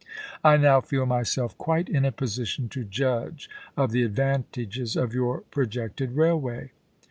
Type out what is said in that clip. I now feel myself quite in a position to judge of the advantages of your projected railway.